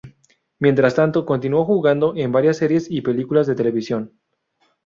Mientras tanto, continuó jugando en varias series y películas de televisión.